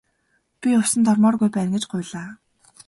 Би усанд ормооргүй байна гэж гуйлаа.